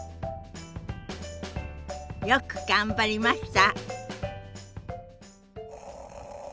よく頑張りました。